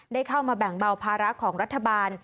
ได้เข้ามาแบ่งเบาภาระของรัฐบาล